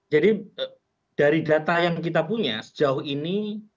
jadi dari data yang kita punya sejauh ini